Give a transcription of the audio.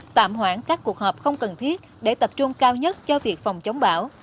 tạm hoãn các cuộc họp không cần thiết để tập trung cao nhất cho việc phòng chống bão